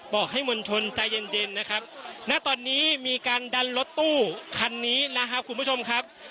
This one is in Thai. บอกให้มวลชนใจเย็นนะครับณตอนนี้มีการดันรถตู้คันนี้นะครับคุณผู้ชมครับ